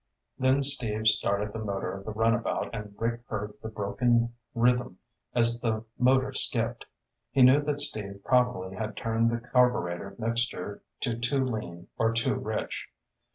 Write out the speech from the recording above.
Then Steve started the motor of the runabout and Rick heard the broken rhythm as the motor skipped. He knew that Steve probably had turned the carburetor mixture to too lean or too rich.